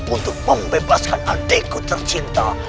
untuk membebaskan adikku tercinta